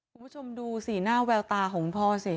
คุณผู้ชมดูสีหน้าแววตาของคุณพ่อสิ